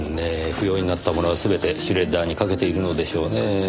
不要になったものは全てシュレッダーにかけているのでしょうねぇ。